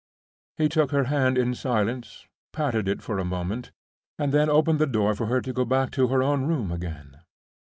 He took her hand in silence, patted it for a moment, and then opened the door for her to go back to her own room again.